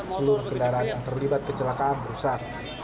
seluruh kendaraan yang terlibat kecelakaan rusak